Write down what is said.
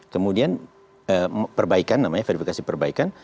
kemudian perbaikan namanya verifikasi perbaikan